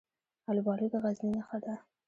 الوبالو د غزني نښه ده.